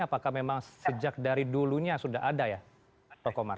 apakah memang sejak dari dulunya sudah ada ya prof komar